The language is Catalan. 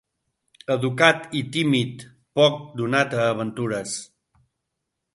Educat i tímid, poc donat a aventures.